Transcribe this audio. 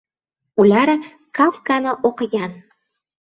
Ular Kafkani o‘qigan.